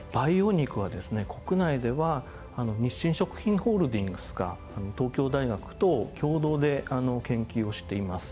国内では日清食品ホールディングスが東京大学と共同で研究をしています。